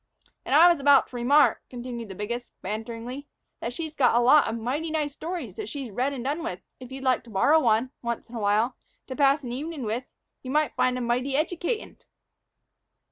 "And I was about to remark," continued the biggest, banteringly, "that she's got a lot of mighty nice stories that she's read and done with; and if you'd like to borrow one, once in a while, to pass an evenin' with, you'd find 'em mighty educatin'."